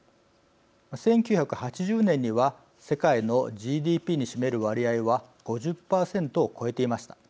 １９８０年には世界のＧＤＰに占める割合は５０％を超えていました。